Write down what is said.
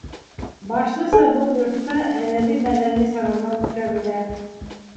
Башлыса был йортта әҙәби-мәҙәни саралар үткәрелә.